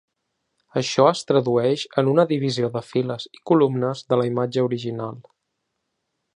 Això es tradueix en una divisió de files i columnes de la imatge original.